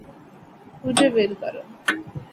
খুঁজে বের করো।